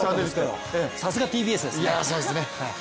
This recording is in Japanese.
さすがＴＢＳですね。